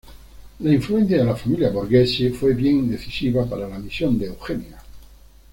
La influencia de la familia Borghese fue bien decisiva para la misión de Eugenia.